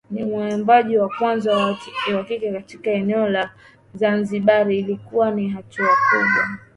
ni mwimbaji wa kwanza wa kike katika eneo la Zanzibar Ilikuwa ni hatua kubwa